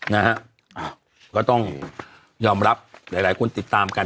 นะฮะก็ต้องยอมรับหลายคนติดตามกัน